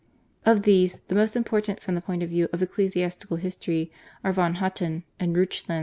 Of these the most important from the point of view of ecclesiastical history are von Hutten and Reuchlin.